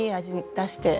出して。